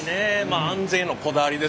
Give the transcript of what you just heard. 安全へのこだわりですよ。